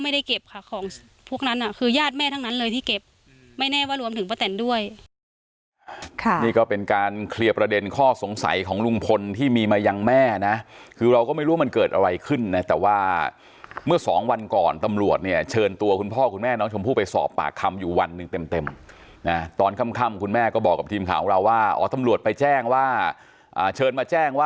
ด้วยค่ะนี่ก็เป็นการเคลียร์ประเด็นข้อสงสัยของลุงพลที่มีมายังแม่นะคือเราก็ไม่รู้ว่ามันเกิดอะไรขึ้นนะแต่ว่าเมื่อสองวันก่อนตำรวจเนี่ยเชิญตัวคุณพ่อคุณแม่น้องชมพู่ไปสอบปากคำอยู่วันหนึ่งเต็มเต็มนะตอนคำคำคุณแม่ก็บอกกับทีมข่าวของเราว่าอ๋อตำรวจไปแจ้งว่าอ่าเชิญมา